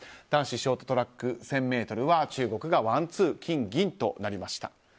男子ショートトラック１０００ｍは中国がワンツー、金銀となりました。